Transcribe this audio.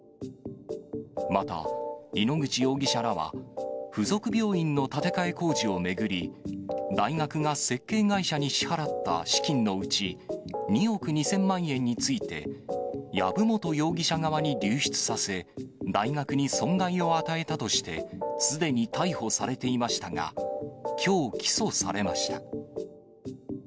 また、井ノ口容疑者らは付属病院の建て替え工事を巡り、大学が設計会社に支払った資金のうち２億２０００万円について、籔本容疑者側に流出させ、大学に損害を与えたとしてすでに逮捕されていましたが、きょう、起訴されました。